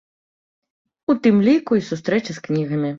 У тым ліку і сустрэчы з кнігамі.